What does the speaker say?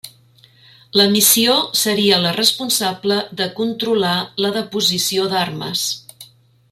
La missió seria la responsable de controlar la deposició d'armes.